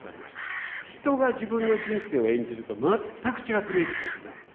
人が自分の人生を演じると全く違って見えてきたんですね。